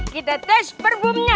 kita tes parfumnya